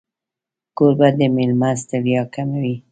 کوربه د مېلمه ستړیا کموي.